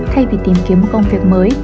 thay vì tìm kiếm một công việc mới